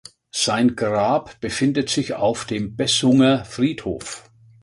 Sein Grab befindet sich auf dem Bessunger Friedhof.